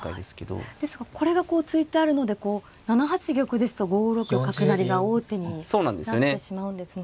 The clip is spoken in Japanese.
ですがこれがこう突いてあるので７八玉ですと５六角成が王手になってしまうんですね。